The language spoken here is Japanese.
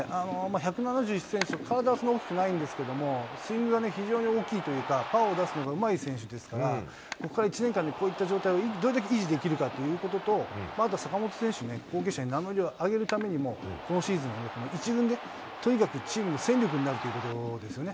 １７１センチと、体はそんなに大きくないんですけども、スイングが非常に大きいというか、パワーを出すのがうまい選手ですから、ここから１年間、こういった状態をどれだけ維持できるかということと、あとは坂本選手の後継者に名乗りを上げるためにも、今シーズン、１軍でとにかくチームの戦力になるということですよね。